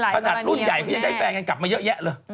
ขนาดรุ่นใหญ่เขายังได้แฟนกันกลับมาเยอะแยะเลย